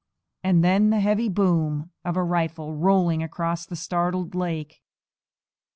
And then the heavy boom of a rifle rolling across the startled lake.